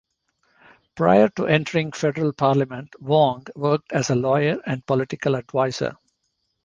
Prior to entering Federal parliament, Wong worked as a lawyer and political advisor.